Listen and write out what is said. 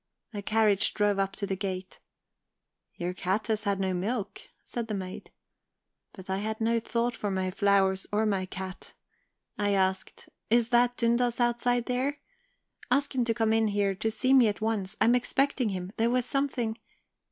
"A carriage drove up to the gate. "'Your cat has had no milk,' said the maid. "But I had no thought for my flowers, or my cat; I asked: "'Is that Dundas outside there? Ask him to come in here to me at once; I am expecting him; there was something...'